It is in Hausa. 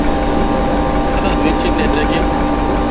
Ba abincin da ya rage.